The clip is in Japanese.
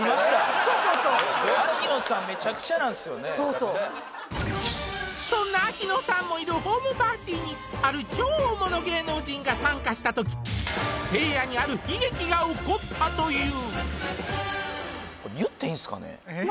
そうそうそうそうそうそんな秋野さんもいるホームパーティーにある超大物芸能人が参加したときせいやにある悲劇が起こったという何？